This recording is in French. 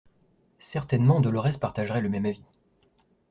Certainement Dolorès partagerait le même avis.